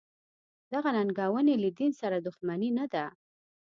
دغه ننګونې له دین سره دښمني نه ده.